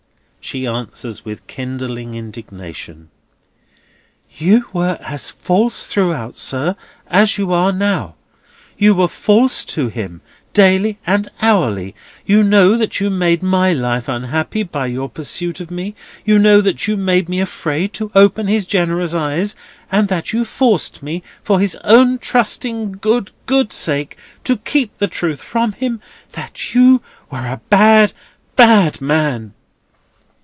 She answers with kindling indignation: "You were as false throughout, sir, as you are now. You were false to him, daily and hourly. You know that you made my life unhappy by your pursuit of me. You know that you made me afraid to open his generous eyes, and that you forced me, for his own trusting, good, good sake, to keep the truth from him, that you were a bad, bad man!"